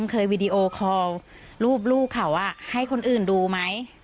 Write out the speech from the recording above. มึงเคยวีดีโอคอล์รูปเขาให้คนอื่นดูไหม